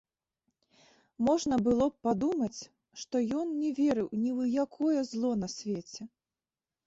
Можна было б падумаць, што ён не верыў ні ў якое зло на свеце.